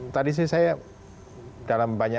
tadi sih saya dalam banyak